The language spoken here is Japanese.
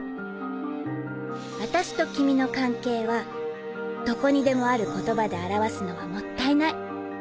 私と君の関係はどこにでもある言葉で表すのはもったいない。